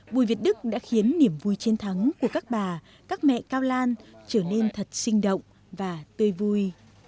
bùi việt đức đã khiến niềm vui chiến thắng của các bà các mẹ cao lan trở nên thật sinh động và tươi vui